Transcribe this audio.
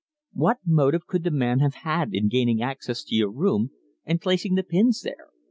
"What motive could the man have had in gaining access to your room and placing the pins there?